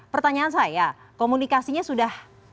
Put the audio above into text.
pertanyaan saya komunikasinya sudah